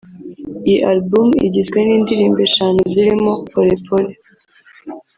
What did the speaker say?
Iyi album igizwe n’indirimbo eshanu zirimo ‘Pole Pole’